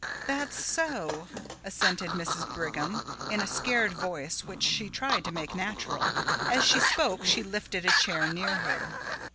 "That's so," assented Mrs. Brigham, in a scared voice which she tried to make natural. As she spoke she lifted a chair near her.